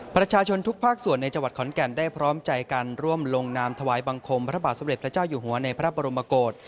ประชาชนทุกภาคส่วนในจังหวัดขอนแก่นได้พร้อมใจกันร่วมลงนามถวายบังคมพระบาทสมเด็จพระเจ้าอยู่หัวในพระบรมโกศ